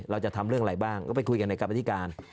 เราจะทำเรื่องอะไรบ้างก็ไปคุยกันในกรรมธิการ